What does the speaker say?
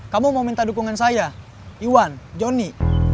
kamu mau minta dukungan saya iwan joni